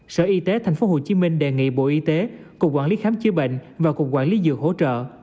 sở y tế tp hcm đề nghị bộ y tế cục quản lý khám chữa bệnh và cục quản lý dược hỗ trợ